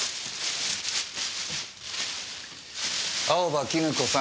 青葉絹子さん。